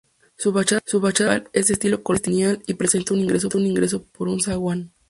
Su fachada principal es de estilo colonial, y presenta un ingreso por un zaguán.